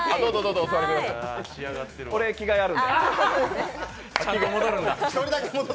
俺、着替えあるんで。